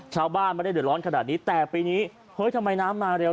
ชาวบ้านไม่ได้เดือดร้อนขนาดนี้แต่ปีนี้เฮ้ยทำไมน้ำมาเร็ว